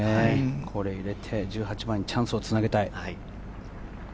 これを入れて１８番にチャンスをつなげたい。